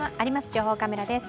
情報カメラです。